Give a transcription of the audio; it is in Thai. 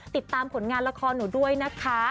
ติดตามผลงานละครหนูด้วยนะคะ